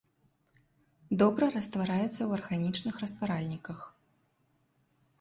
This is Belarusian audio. Добра раствараецца ў арганічных растваральніках.